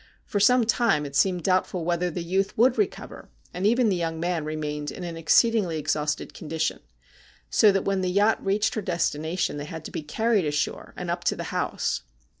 For some time it seemed doubtful whether the youth would recover, and even the young man remained in an exceedingly exhausted condition, so that when the yacht reached her destination they had to be carried ashore and up to the house.